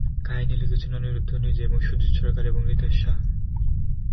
কাহিনী লিখেছিলেন অনিরুদ্ধ নিজে এবং সুজিত সরকার এবং রিতেশ শাহ।